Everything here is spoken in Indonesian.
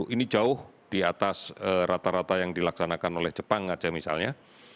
ini jauh di atas rata rata yang dilaksanakan oleh jepang saja misalnya